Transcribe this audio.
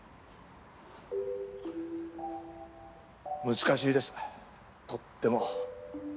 難しいですとっても。